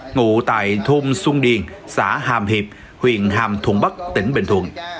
ngụ tại thôn xuân điền xã hàm hiệp huyện hàm thuận bắc tỉnh bình thuận